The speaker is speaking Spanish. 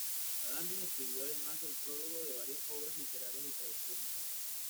Adami escribió además el prólogo de varias obras literarias y traducciones